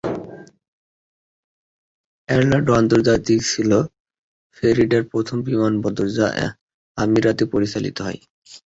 Orlando আন্তর্জাতিক ছিল ফ্লোরিডার প্রথম বিমানবন্দর যা আমিরাতে পরিচালিত হয়।